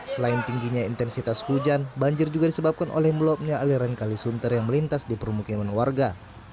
selain tingginya intensitas hujan banjir juga disebabkan oleh meluapnya aliran kalisunter yang melintas di permukiman warga